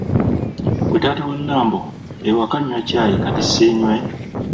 Gwe taata wa Nambo ewaka nywa caayi kati siinywe?”